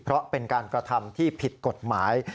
เพราะเป็นการกระทำที่ผิดกฎหมาย